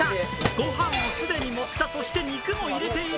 ご飯を既に盛った、そして肉も入れている。